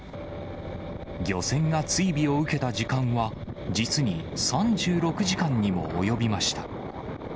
漁船が追尾を受けた時間は実に３６時間にも及びました。